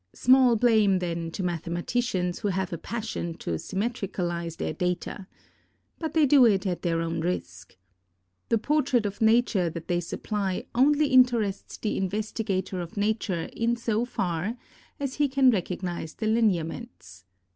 Small blame, then, to mathematicians who have a passion to symmetricalize their data. But they do it at their own risk. The portrait of Nature that they supply, only interests the investigator of Nature in so far as he can recognize the lineaments.